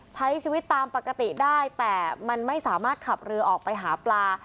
ใช้ชีวิตตามปกติได้แต่มันไม่สามารถขับเรือออกไปหาปลา